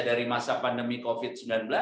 dari masa pandemi covid sembilan belas